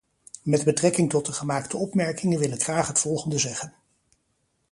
Met betrekking tot de gemaakte opmerkingen wil ik graag het volgende zeggen.